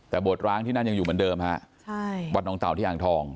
แต่บวชร้างที่นั่นยังอยู่เหมือนเดิมฮะใช่วัดน้องเต่าที่อ่างทอง